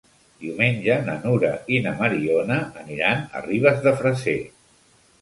Diumenge na Nura i na Mariona aniran a Ribes de Freser.